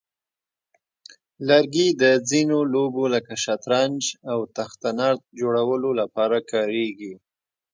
لرګي د ځینو لوبو لکه شطرنج او تخته نرد جوړولو لپاره کارېږي.